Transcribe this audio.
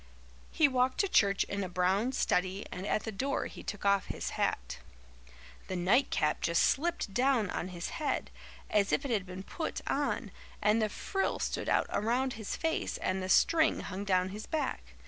He walked to church in a brown study and at the door he took off his hat. The nightcap just slipped down on his head, as if it had been put on, and the frill stood out around his face and the string hung down his back.